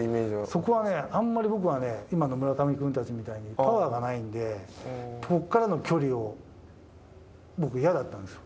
そこはね、あんまり僕はね、今の村上君たちみたいにパワーがないんで、ここからの距離を、僕、嫌だったんです。